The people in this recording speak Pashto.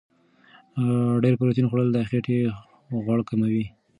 ډېر پروتین خوړل د خېټې غوړ کموي.